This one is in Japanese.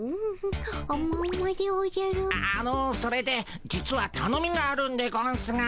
あのそれで実はたのみがあるんでゴンスが。